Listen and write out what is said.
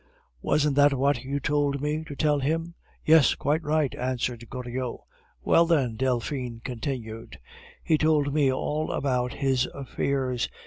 Wasn't that what you told me to tell him?" "Yes, quite right," answered Goriot. "Well, then," Delphine continued, "he told me all about his affairs.